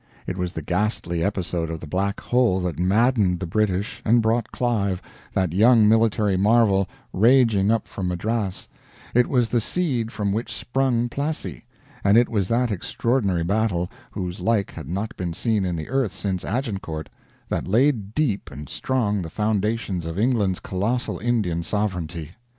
It was the ghastly episode of the Black Hole that maddened the British and brought Clive, that young military marvel, raging up from Madras; it was the seed from which sprung Plassey; and it was that extraordinary battle, whose like had not been seen in the earth since Agincourt, that laid deep and strong the foundations of England's colossal Indian sovereignty.